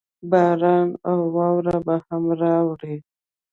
باران او واوره به هم راووري.